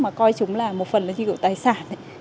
mà coi chúng là một phần như kiểu tài sản